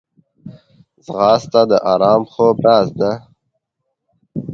ځغاسته د ارام خوب راز ده